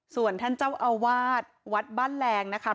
ส่วนท่านเจ้าอาวาสวัดบ้านแรงนะคะ